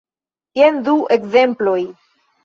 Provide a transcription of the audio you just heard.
Jen du ekzemploj.